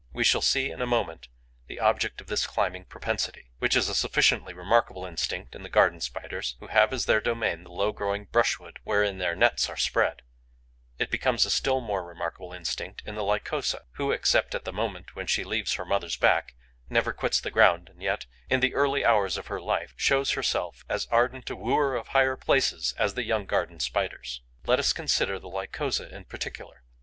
We shall see, in a moment, the object of this climbing propensity, which is a sufficiently remarkable instinct in the Garden Spiders, who have as their domain the low growing brushwood wherein their nets are spread; it becomes a still more remarkable instinct in the Lycosa, who, except at the moment when she leaves her mother's back, never quits the ground and yet, in the early hours of her life, shows herself as ardent a wooer of high places as the young Garden Spiders. Let us consider the Lycosa in particular.